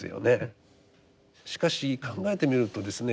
しかし考えてみるとですね